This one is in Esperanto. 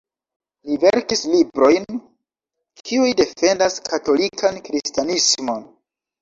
Li verkis librojn, kiuj defendas katolikan kristanismon.